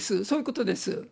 そういうことです。